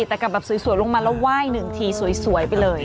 แต่กลับแบบสวยลงมาแล้วไหว้หนึ่งทีสวยไปเลย